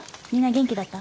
元気だった。